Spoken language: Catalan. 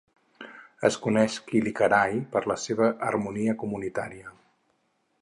Es coneix Kilakarai per la seva harmonia comunitària.